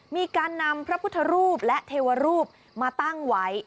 มีการนำพระพุทธรูปและเทวรูปมาตั้งไว้